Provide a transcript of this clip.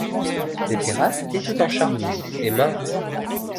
Les terrasses étaient tout en charmille, et mainte